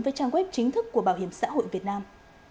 với trang web chính thức của bảo hiểm xã hội việt nam